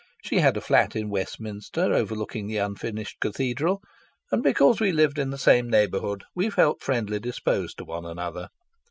She had a flat in Westminster, overlooking the unfinished cathedral, and because we lived in the same neighbourhood we felt friendly disposed to one another.